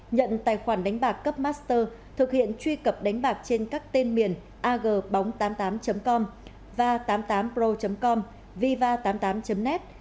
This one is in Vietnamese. nhận tài khoản đánh bạc cấp master thực hiện truy cập đánh bạc trên các tên miền ag bóng tám mươi tám com và tám mươi tám pro com viva tám mươi tám net